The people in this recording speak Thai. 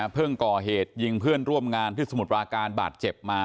ก่อเหตุยิงเพื่อนร่วมงานที่สมุทรปราการบาดเจ็บมา